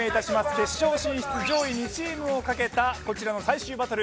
決勝進出上位２チームをかけた最終バトル。